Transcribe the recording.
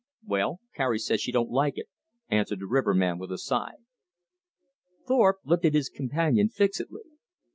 "Well, Carrie says she don't like it," answered the riverman with a sigh. Thorpe looked at his companion fixedly.